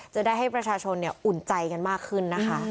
จะได้ให้ประชาชนอุ่นใจกันมากขึ้นนะคะ